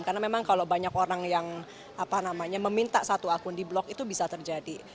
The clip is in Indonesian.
karena memang kalau banyak orang yang meminta satu akun di blok itu bisa terjadi